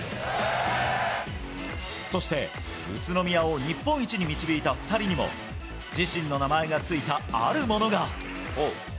そして、宇都宮を日本一に導いた２人にも、自身の名前が付いた、あるものが。